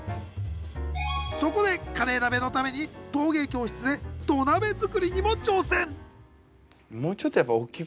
そこでカレー鍋のために陶芸教室で土鍋作りにも挑戦！